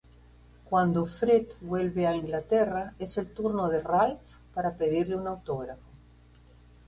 Cuando Fred vuelve a Inglaterra es el turno de Ralph para pedirle un autógrafo.